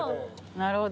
なるほど。